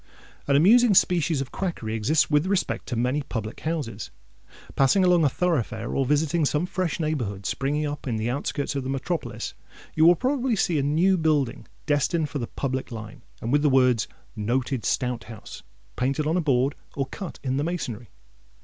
An amusing species of quackery exists with repect to many public houses. Passing along a thoroughfare, or visiting some fresh neighbourhood springing up in the outskirts of the metropolis, you will probably see a new building, destined for the "public" line, and with the words—"NOTED STOUT HOUSE"—painted on a board, or cut in the masonry.